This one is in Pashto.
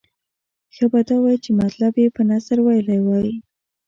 ښه به دا وای چې مطلب یې په نثر ویلی وای.